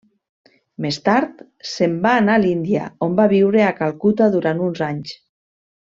Més tard, se'n va anar a l'Índia on va viure a Calcuta durant uns anys.